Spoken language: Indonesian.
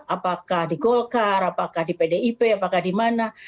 apakah di golkar apakah di pdip apakah di mana